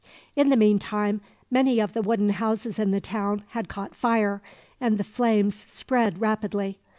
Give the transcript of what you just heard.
In the meantime, many of the wooden houses in the town had caught fire, and the flames spread rapidly.